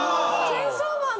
『チェンソーマン』？